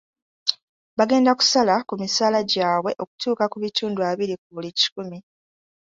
Bagenda kusala ku misaala gyabwe okutuuka ku bitundu abiri ku buli kikumi.